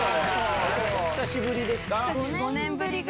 久しぶりですか？